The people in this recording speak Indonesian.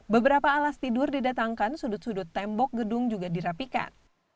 beberapa alas tidur didatangkan sudut sudut tembok gedung juga dirapikan